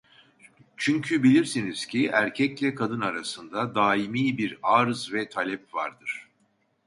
Çünkü bilirsiniz ki erkekle kadın arasında daimi bir arz ve talep vardır: